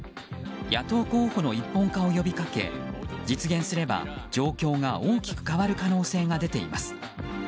野党候補の一本化を呼びかけ実現すれば状況が大きく変わる可能性が出てきます。